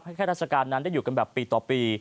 แค่ราชการนั้นได้อยู่กันแบบปีต่อปี